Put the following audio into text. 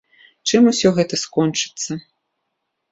Чым усё гэта скончыцца?